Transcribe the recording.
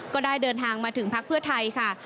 ก็ได้เดินทางมาถึงภักพฤวชไทยครับ